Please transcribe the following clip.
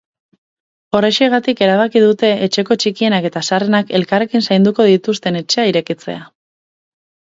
Horrexegatik erabaki dute etxeko txikienak eta zaharrenak elkarrekin zainduko dituzten etxea irekitzea.